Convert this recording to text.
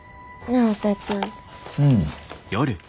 うん。